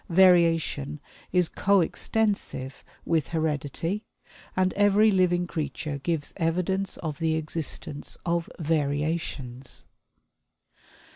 Variation is co extensive with heredity, and every living creature gives evidence of the existence of variations.